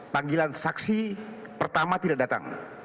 panggilan saksi pertama tidak datang